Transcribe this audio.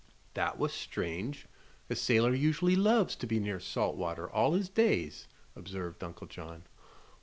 "That was strange. A sailor usually loves to be near salt water all his days," observed Uncle John.